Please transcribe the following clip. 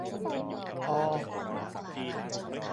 ออ